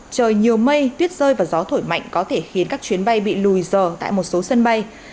trời nhiều mây tuyết rơi và gió thổi mạnh có thể khiến các chuyến bay bị lùi giờ tại một số sân bay